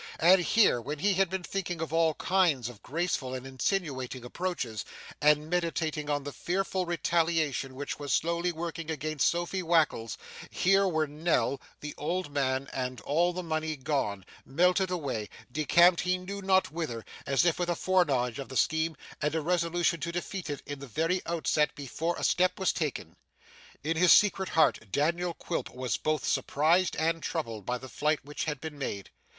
And here, when he had been thinking of all kinds of graceful and insinuating approaches, and meditating on the fearful retaliation which was slowly working against Sophy Wackles here were Nell, the old man, and all the money gone, melted away, decamped he knew not whither, as if with a fore knowledge of the scheme and a resolution to defeat it in the very outset, before a step was taken. In his secret heart, Daniel Quilp was both surprised and troubled by the flight which had been made.